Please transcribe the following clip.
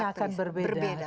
bentuknya akan berbeda